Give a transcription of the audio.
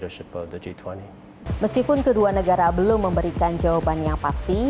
meskipun kedua negara belum memberikan jawaban yang pasti